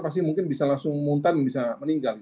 pasti mungkin bisa langsung muntah dan bisa meninggal